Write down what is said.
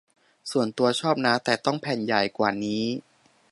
ส่วนตัวชอบนะ แต่ต้องแผ่นใหญ่กว่านี้